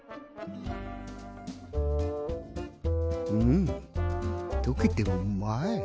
んとけてもうまい。